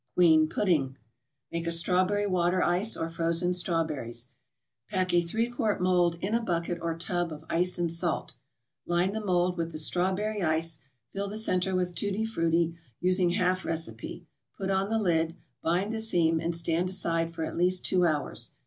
QUEEN PUDDING Make a Strawberry Water Ice or Frozen Strawberries. Pack a three quart mold in a bucket or tub of ice and salt. Line the mold with the Strawberry Ice, fill the centre with Tutti Frutti, using half recipe; put on the lid, bind the seam, and stand aside for at least two hours.